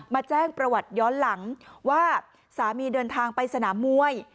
แจ้งประวัติย้อนหลังว่าสามีเดินทางไปสนามมวย